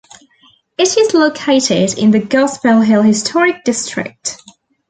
It is located in the Gospel Hill Historic District.